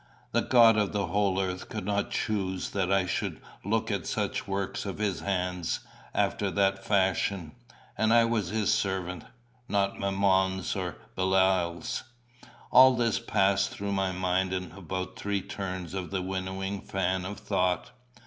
The God of the whole earth could not choose that I should look at such works of his hands after that fashion. And I was his servant not Mammon's or Belial's. All this passed through my mind in about three turns of the winnowing fan of thought.